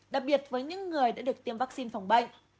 đặc biệt với những người đã được tiêm vaccine phòng bệnh